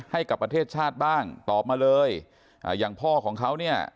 ให้กับประเทศชาติบ้างตอบมาเลยอ่าอย่างพ่อของเขาเนี่ย